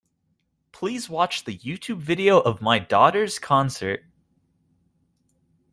Please watch the Youtube video of my daughter's concert